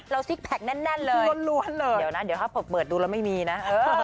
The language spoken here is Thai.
ซิกแพคแน่นเลยล้วนเลยเดี๋ยวนะเดี๋ยวถ้าเปิดดูแล้วไม่มีนะ